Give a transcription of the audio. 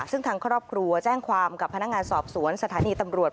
ซึ่งทางครอบครัวแจ้งความกับพนักงานสอบสวนสถานีตำรวจ